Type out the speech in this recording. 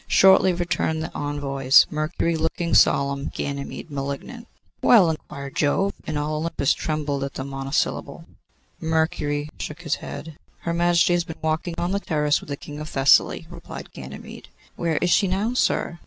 Shortly returned the envoys, Mercury looking solemn, Ganymede malignant. 'Well?' inquired Jove; and all Olympus trembled at the monosyllable. Mercury shook his head. 'Her Majesty has been walking on the terrace with the King of Thessaly,' replied Ganymede. 'Where is she now, sir?